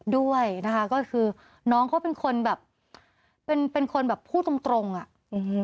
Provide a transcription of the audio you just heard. ด้วยนะคะก็คือน้องเขาเป็นคนแบบเป็นเป็นคนแบบพูดตรงตรงอ่ะอืม